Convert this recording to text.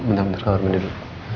bentar bentar kabar benda dulu